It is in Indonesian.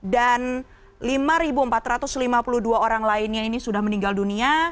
dan lima empat ratus lima puluh dua orang lainnya ini sudah meninggal dunia